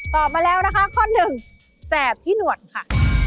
ตอบมาแล้วนะคะข้อ๑แสบที่หนวดค่ะ